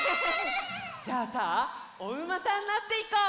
じゃあさあおうまさんになっていこう！